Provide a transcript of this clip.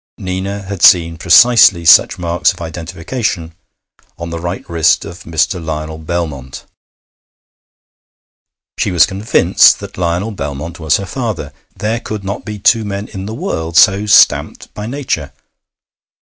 Nina had seen precisely such marks of identification on the right wrist of Mr. Lionel Belmont. She was convinced that Lionel Belmont was her father. There could not be two men in the world so stamped by nature.